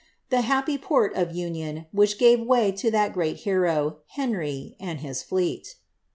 The happy port of union, which gave way To that great hero, Henry,' and his fleet.'